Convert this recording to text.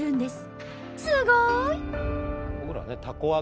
すごい！